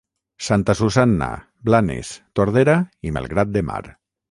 Santa Susanna, Blanes, Tordera i Malgrat de Mar.